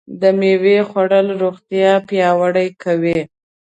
د مېوو خوړل روغتیا پیاوړې کوي.